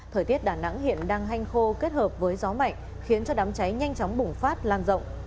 thời tiết đà nẵng hiện đang hanh khô kết hợp với gió mạnh khiến cho đám cháy nhanh chóng bùng phát lan rộng